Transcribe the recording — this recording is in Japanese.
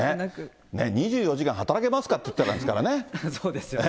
２４時間働けますかって言っそうですよね。